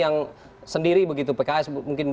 yang sendiri begitu pks mungkin